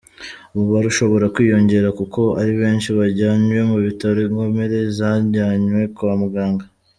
Umubare ushobora kwiyongera kuko ari benshi bajyanywe mu bitaro, Inkomere zajyanywe kwa muganga.